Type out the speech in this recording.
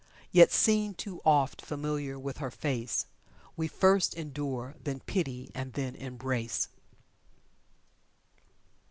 Yet seen too oft, familiar with her face, We first endure, then pity, and then embrace."